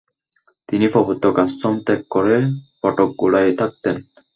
তিনি প্রবর্তক আশ্রম ত্যাগ করে ফটকগোড়ায় থাকতেন।